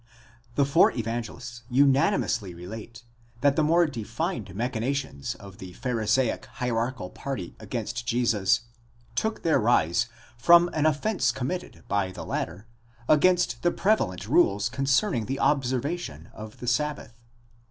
The four Evangelists unanimously relate, that the more defined machina tions of the Pharisaic hierarchical party against Jesus, took their rise from an offence committed by the latter against the prevalent rules concerning the observation of the sabbath.